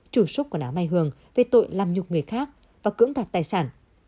chủ xốp quần áo mai hường về tội làm nhục người khác và cưỡng đạt tài sản